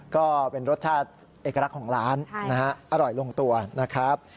ก็เป็นรสชาติเอกลักษณ์ของร้านนะฮะอร่อยลงตัวนะครับ